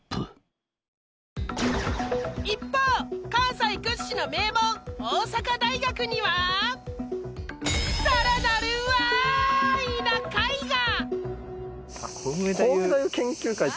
［一方関西屈指の名門大阪大学にはさらなるＷＨＹな会が！］